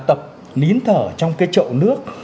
tập nín thở trong cái chậu nước